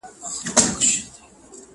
که د نفوس اندازه بدله سي اقتصاد هم بدلیږي.